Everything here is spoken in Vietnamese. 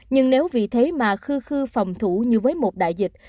nhưng nếu vì thế mà khư phòng thủ như với một đại dịch